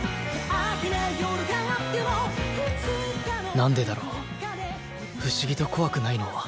なんでだろう不思議と怖くないのは